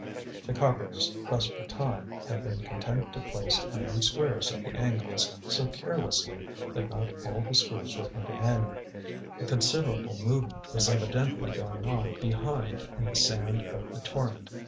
The carpenters, pressed for time, had been content to place iron squares at the angles, so carelessly that not all the screws were put in. A considerable movement was evidently going on behind in the sand of the Torrent.